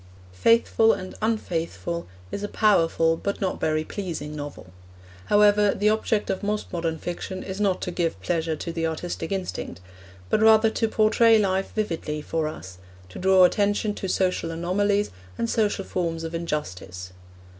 Faithful and Unfaithful is a powerful but not very pleasing novel. However, the object of most modern fiction is not to give pleasure to the artistic instinct, but rather to portray life vividly for us, to draw attention to social anomalies, and social forms of injustice.